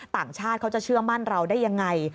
ต่างชาติเขาจะเชื่อมั่นเราได้ยังไง